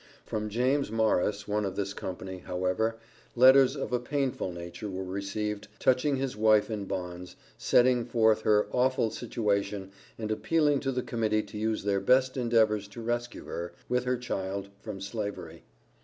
From James Morris, one of this company, however, letters of a painful nature were received, touching his wife in bonds, setting forth her "awful" situation and appealing to the Committee to use their best endeavors to rescue her, with her child, from Slavery.